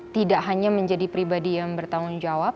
tidak hanya menjadi pribadi yang bertanggung jawab